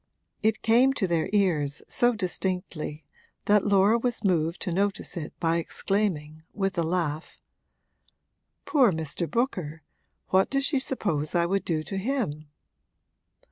It came to their ears so distinctly that Laura was moved to notice it by exclaiming, with a laugh: 'Poor Mr. Booker, what does she suppose I would do to him?'